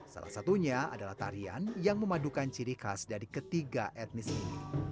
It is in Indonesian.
salah satunya adalah tarian yang memadukan ciri khas dari ketiga etnis ini